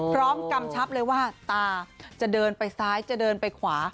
กำชับเลยว่าตาจะเดินไปซ้ายจะเดินไปขวา